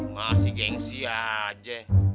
masih gengsi aja